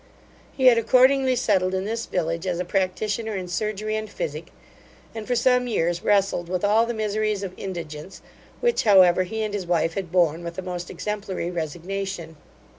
He had accordingly settled in this village as a practitioner in surgery and physic, and for some years wrestled with all the miseries of indigence, which, however, he and his wife had borne with the most exemplary resignation.